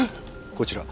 こちら